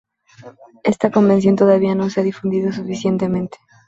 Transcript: Esta convención todavía no se ha difundido suficientemente.